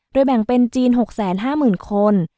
แบ่งเป็นจีน๖๕๐๐๐คน